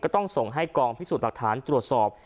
ต้องส่งให้กองพิสูจน์หลักฐานตรวจสอบ